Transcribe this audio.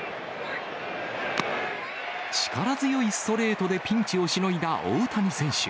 力強いストレートでピンチをしのいだ大谷選手。